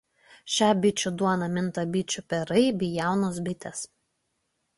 Šia bičių duona minta bičių perai bei jaunos bitės.